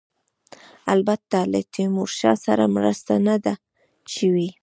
البته له تیمورشاه سره مرسته نه ده شوې.